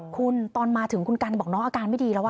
คุณตอนมาถึงคุณกันบอกน้องอาการไม่ดีแล้ว